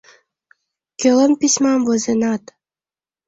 Кӧлан письмам возенат?